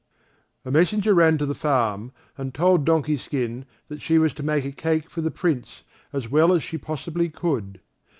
A messenger ran to the farm and told Donkey skin that she was to make a cake for the Prince as well as she possibly could.